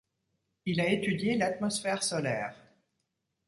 Il a étudié l'atmosphère solaire.